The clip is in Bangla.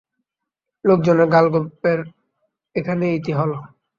লোকজনের গাল-গল্পের এখানেই ইতি হল।